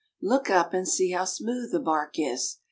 Look up and see how smooth the bark is.